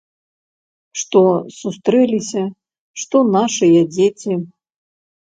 Што сустрэліся, што нашыя дзеці.